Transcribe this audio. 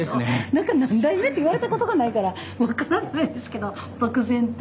何代目って言われたことがないから分からないですけど漠然と。